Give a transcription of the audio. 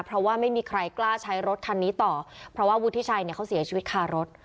เพราะว่าไม่มีใครกล้าใช้รถคันนี้ต่อเพราะว่าวุฒิชัยเนี่ยเขาเสียชีวิตคารถ